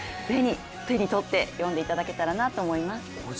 是非手に取って読んでいただけたらなと思います。